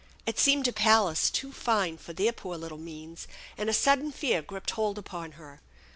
It seemed a palace too fine for their poor little means, and a sudden fear gripped hold upon her.